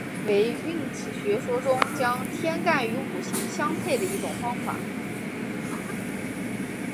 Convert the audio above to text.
十干化运为运气学说中将天干与五行相配的一种方法。